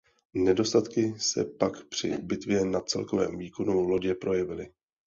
Nedostatky se pak při bitvě na celkovém výkonu lodě projevily.